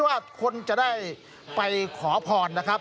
ว่าคนจะได้ไปขอพรนะครับ